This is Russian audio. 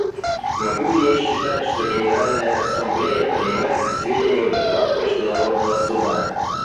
Могу ли я считать, что Генеральная Ассамблея принимает к сведению доклад Международного Суда?